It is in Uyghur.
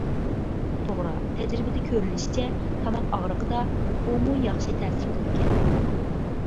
توغرا، تەجرىبىدە كۆرۈلۈشىچە تاماق ئاغرىقىدا ئۇمۇ ياخشى تەسىر قىلىدىكەن.